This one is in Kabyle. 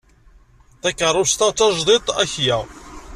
Takeṛṛust-a d tajdidt akya.